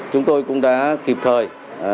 chúng tôi cũng đã kịp thời